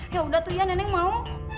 yaudah tuh iya nenek mau